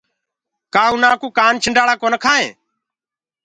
ڪآ اُنآ ڪوُ ڪآنڇنڊآزݪآ ڪونآ کآئينٚ۔